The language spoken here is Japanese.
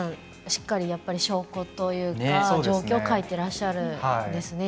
しっかり証拠というか状況を書いていらっしゃるんですね。